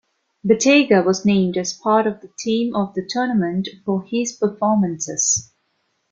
Bettega was named as part of the Team of the Tournament for his performances.